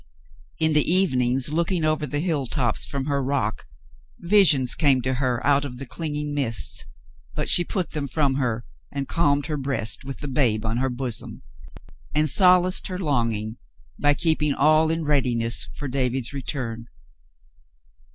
In the evenings, looking over the hilltops from her rock, visions came to her out of the changing mists, but she put them from her and calmed her breast with the babe on her bosom, and solaced her long ing by keeping all in readiness for David's return.